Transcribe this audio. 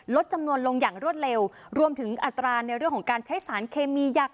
ลดจำนวนลงอย่างรวดเร็วรวมถึงอัตราในเรื่องของการใช้สารเคมียักษ